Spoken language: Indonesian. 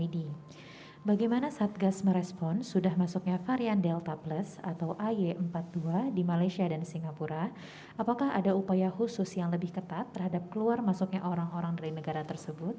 di hari keempat